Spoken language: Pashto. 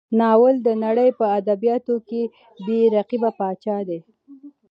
ناول د نړۍ په ادبیاتو کې بې رقیبه پاچا دی.